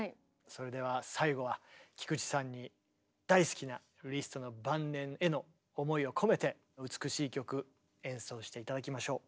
それでは最後は菊池さんに大好きなリストの晩年への思いを込めて美しい曲演奏して頂きましょう。